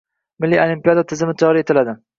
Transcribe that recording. Milliy olimpiada tizimi joriy etiladi.